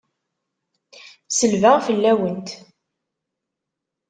Selbeɣ fell-awent!